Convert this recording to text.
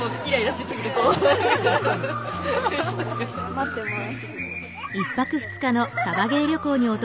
待ってます。